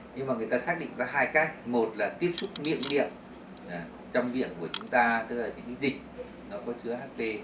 nhưng mà người ta xác định có hai cách một là tiếp xúc miệng miệng trong viện của chúng ta tức là những dịch nó có chứa hp